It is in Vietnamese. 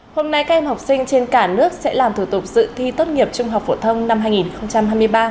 hôm nay các em học sinh trên cả nước sẽ làm thủ tục dự thi tốt nghiệp trung học phổ thông năm hai nghìn hai mươi ba